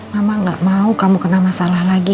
mama gak mau kamu kena masalah lagi